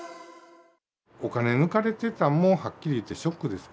お金抜かれてたんも、はっきり言ってショックです。